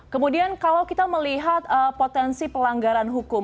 kemudian kalau kita melihat potensi pelanggaran hukum